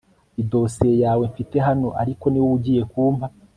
idosiye yawe mfite hano ariko niwowe ugiye kumpa